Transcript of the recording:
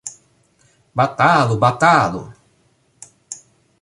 Batalu! batalu!